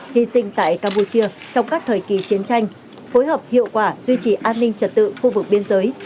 hy sinh tại campuchia trong các thời kỳ chiến tranh phối hợp hiệu quả duy trì an ninh trật tự khu vực biên giới